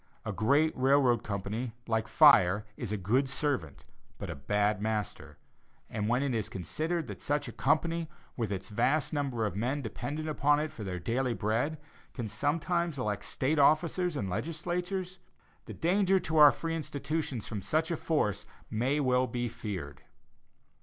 A great railroad company, like fire, is a good servant, but a bad master; and when it is considered that such a company, with its vast number of men dependent upon it for their daily bread, can sometimes elect State officers and legislatures, the danger to our free institutions from such a force may well be feared.